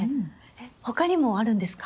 えっ他にもあるんですか？